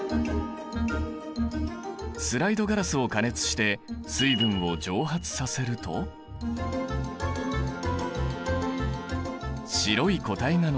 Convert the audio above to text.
スライドガラスを加熱して水分を蒸発させると白い固体が残った。